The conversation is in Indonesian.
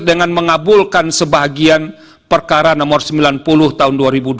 dengan mengabulkan sebagian perkara nomor sembilan puluh tahun dua ribu dua puluh